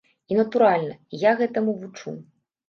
І, натуральна, я гэтаму вучу.